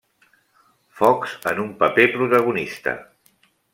Fox en un paper protagonista.